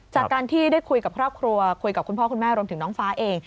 จากการที่ได้คุยกับครอบครัวคุยกับคุณพ่อคุณแม่รวมถึงน้องฟ้าเอง